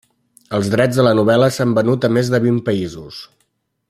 Els drets de la novel·la s'han venut en més de vint països.